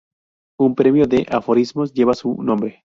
Un premio de aforismos lleva su nombre.